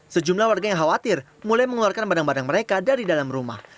sejumlah warga yang khawatir mulai mengeluarkan barang barang mereka dari dalam rumah